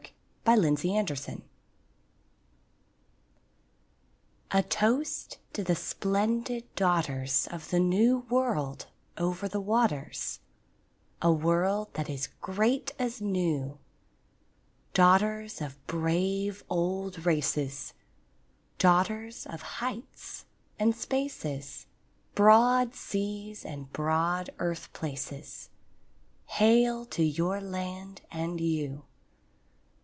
TO THE WOMEN OF AUSTRALIA A toast to the splendid daughters Of the New World over the waters, A world that is great as new; Daughters of brave old races, Daughters of heights and spaces, Broad seas and broad earth places— Hail to your land and you!